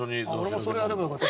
俺もそれやればよかった。